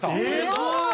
すごい！